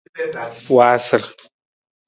Waasar.